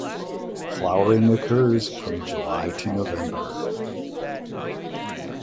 Flowering occurs from July to November.